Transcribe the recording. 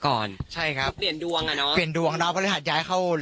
ก่อนใช่ครับเปลี่ยนดวงอ่ะเนอะเปลี่ยนดวงเนาะพฤหัสย้ายเข้า